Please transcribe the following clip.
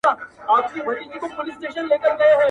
هغه ورځ به پر دې قام باندي رڼا سي!